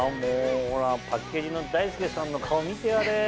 ほらパッケージの大輔さんの顔見てあれ。